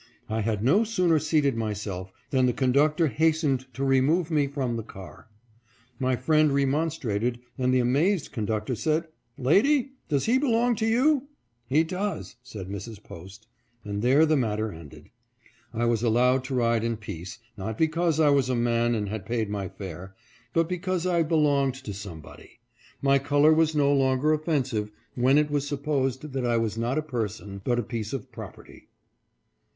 I had no sooner seated myself, than the conductor hastened to remove me from PHILADELPHIA CARS RESPECT PROPERTY, NOT MANHOOD. 559 the car. My friend remonstrated, and the amazed con ductor said, " Lady, does he belong to you ?"" He does," said Mrs. Post, and there the matter ended. I was allowed to ride in peace, not because I was a man and had paid my fare, but because I belonged to somebody. My color was no longer offensive when it was supposed that I was not a person, but a piece of property.